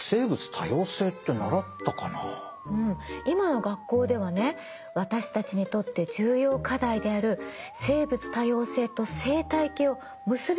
うん今の学校ではね私たちにとって重要課題である生物多様性と生態系を結び付けて学んでるんですって。